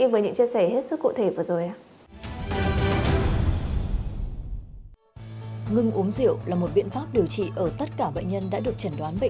vâng xin cảm ơn bác sĩ với những chia sẻ hết sức cụ thể vừa rồi